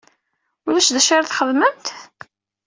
Ulac d acu ara txedmemt?